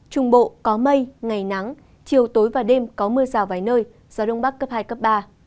trung bộ có mây ngày nắng chiều tối và đêm có mưa rào vài nơi gió đông bắc cấp hai cấp ba